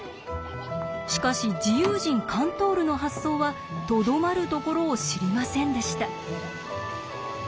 しかし自由人カントールの発想はとどまるところを知りませんでした。